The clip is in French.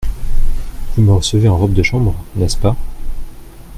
Vous me recevez en robe de chambre, n’est-ce pas ?